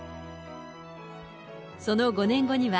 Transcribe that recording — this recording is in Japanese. その５年後には、